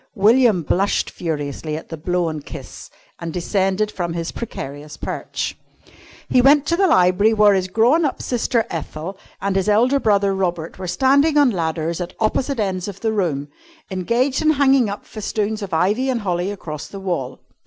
William blushed furiously at the blown kiss and descended from his precarious perch. He went to the library where his grown up sister Ethel and his elder brother Robert were standing on ladders at opposite ends of the room, engaged in hanging up festoons of ivy and holly across the wall.